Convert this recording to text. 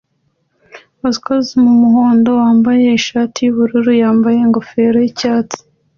i Caucase wumuhondo wambaye ishati yubururu yambaye ingofero yicyatsi